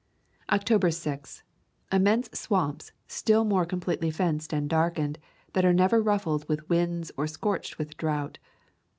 October 6. Immense swamps, still more com pletely fenced and darkened, that are never ruffed with winds or scorched with drought.